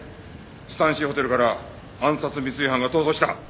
スタンシーホテルから暗殺未遂犯が逃走した。